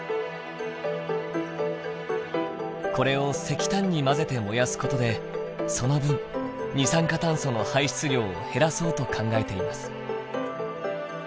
これを石炭に混ぜて燃やすことでその分二酸化炭素の排出量を減らそうと考えています。